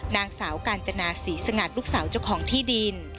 นางสาวกาญจนาศรีสงัดลูกสาวเจ้าของที่ดิน